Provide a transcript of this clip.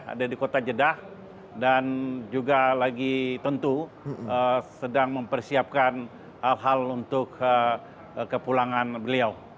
ada di kota jeddah dan juga lagi tentu sedang mempersiapkan hal hal untuk kepulangan beliau